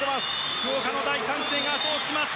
福岡の大歓声が後押ししています。